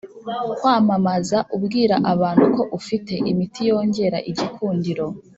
Kwamamaza ubwira abantu ko ufite imiti yongera igikundiro